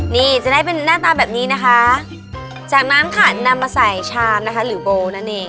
นี่จะได้เป็นหน้าตาแบบนี้นะคะจากนั้นค่ะนำมาใส่ชามนะคะหรือโบนั่นเอง